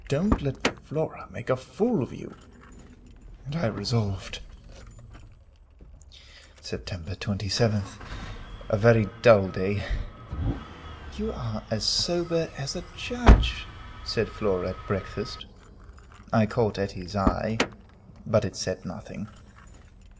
Don't let Flora make a fool of you." And I resolved Sept. 27th. A very dull day. "You are as sober as a judge," said Flora at breakfast. I caught Etty's eye, but it said nothing.